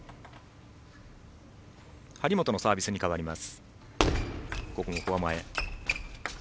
張本のサービスに変わります。